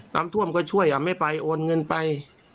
ลำทั่วมันก็ช่วยเอาง็งไม่ไปโอนเงินไป